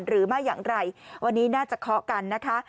หรือไม่อย่างไรวันนี้น่าจะเคาะกันนะคะ